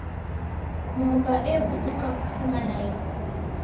Nyumba ebuduka kufuma naighu.